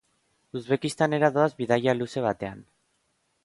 Uzbekistanera doaz bidaia luze batean.